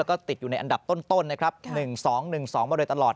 ก็ติดอยู่ในอันดับต้นนะครับ๑๒๑๒มาโดยตลอด